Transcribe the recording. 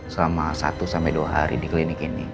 selama satu sampai dua hari di klinik ini